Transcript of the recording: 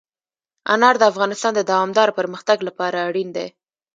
انار د افغانستان د دوامداره پرمختګ لپاره اړین دي.